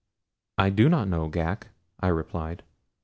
"I do not know, Ghak," I replied.